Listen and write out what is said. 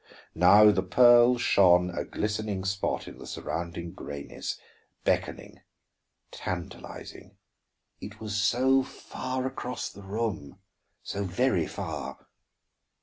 Now the pearl shone a glistening spot in the surrounding grayness, beckoning, tantalizing. It was so far across the room, so very far!